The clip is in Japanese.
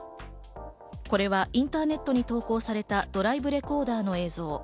これはインターネットに投稿されたドライブレコーダーの映像。